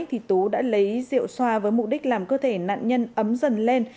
thì tú đã lấy rượu xoa với mục đích làm cơ thể nạn nhân ấm dần lên